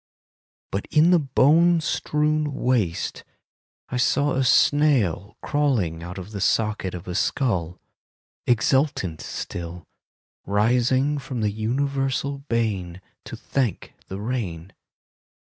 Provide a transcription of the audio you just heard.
But in the bone strewn waste I saw a snail Crawling out of the socket of a skull, Exultant still;— Rising from the universal bane To thank the rain.